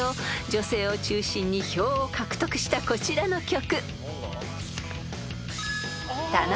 女性を中心に票を獲得したこちらの曲］